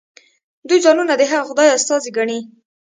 دوی ځانونه د هغه خدای استازي ګڼي.